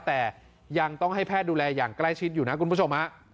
แต่ยังต้องให้แพทย์ดูแลอย่างใกล้ชิดอยู่นะคุณผู้ชมฮะ